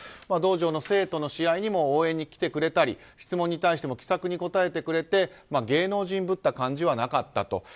道場の生徒の試合にも応援に来てくれたり質問に対しても気さくに答えてくれて芸能人ぶった感じはなかったと。